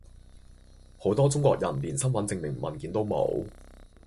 好多中國人連身份證明文件都冇